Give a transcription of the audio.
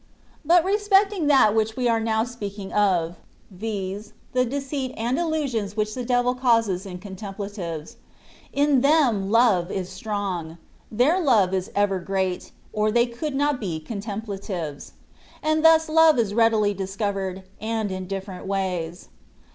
But respecting that which we are now speaking of (viz., the deceit and illusions which the devil causes in contemplatives), in them love is strong; their love is ever great, or they could not be con templatives : and thus love is readily discovered, and in different ways.